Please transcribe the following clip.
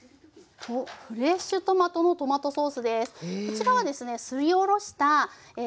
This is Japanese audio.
フレッシュトマトのトマトソースです。